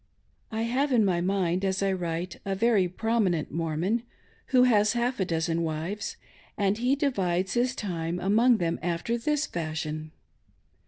I have in my mind, as I write, a very prominent Mormon, who has half a dozen wives ; and he divides his time among them after this fashion.